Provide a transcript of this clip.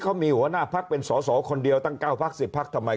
เขามีหัวหน้าพักเป็นสอสอคนเดียวตั้ง๙พัก๑๐พักทำไม